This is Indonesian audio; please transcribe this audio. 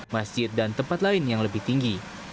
masjid dan tempat lain yang lebih tinggi